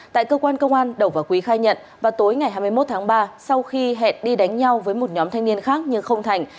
tại cơ quan công an đầu và quý khai nhận vào tối ngày hai mươi một tháng ba sau khi hẹn đi đánh nhau với một nhóm thanh niên khác nhưng không thành